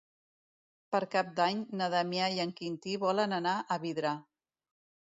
Per Cap d'Any na Damià i en Quintí volen anar a Vidrà.